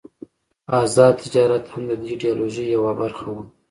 آزاد تجارت هم د دې ایډیالوژۍ یوه برخه وه.